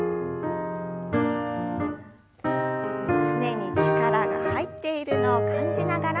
すねに力が入っているのを感じながら。